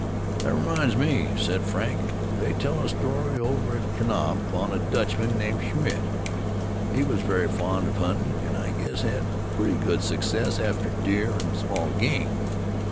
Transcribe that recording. "That reminds me," said Frank. "They tell a story over at Kanab on a Dutchman named Schmitt. He was very fond of huntin', an' I guess had pretty good success after deer an' small game.